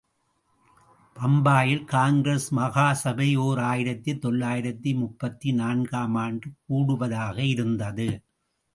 பம்பாயில் காங்கிரஸ் மகா சபை ஓர் ஆயிரத்து தொள்ளாயிரத்து முப்பத்து நான்கு ஆம் ஆண்டு கூடுவதாக இருந்தது.